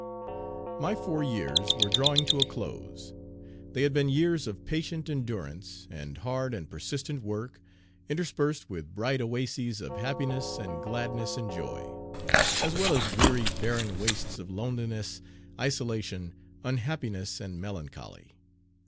MY four years were drawing to a close. They had been years of patient endurance and hard and persistent work, interspersed with bright oases of happiness and gladness and joy, as well as weary barren wastes of loneliness, isolation, unhappiness, and melancholy.